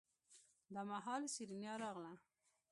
دا مهال سېرېنا راغله.